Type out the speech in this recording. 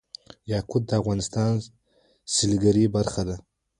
یاقوت د افغانستان د سیلګرۍ برخه ده.